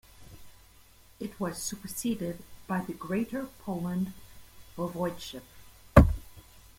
It was superseded by the Greater Poland Voivodeship.